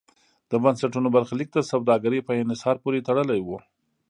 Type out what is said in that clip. د بنسټونو برخلیک د سوداګرۍ په انحصار پورې تړلی و.